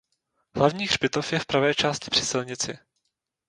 Hlavní hřbitov je v pravé části při silnici.